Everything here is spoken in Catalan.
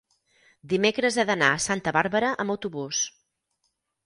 dimecres he d'anar a Santa Bàrbara amb autobús.